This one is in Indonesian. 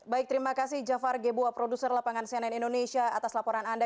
baik terima kasih jafar gebua produser lapangan cnn indonesia atas laporan anda